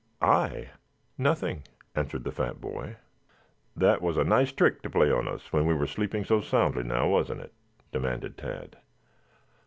"I? Nothing," answered the fat boy. "That was a nice trick to play on us when we were sleeping so soundly, now wasn't it?" demanded Tad.